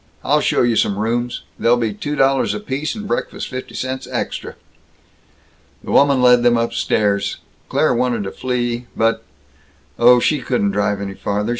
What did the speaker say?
I'll show you some rooms. They'll be two dollars apiece, and breakfast fifty cents extra." The woman led them upstairs. Claire wanted to flee, but Oh, she couldn't drive any farther!